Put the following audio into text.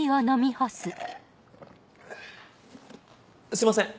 すいません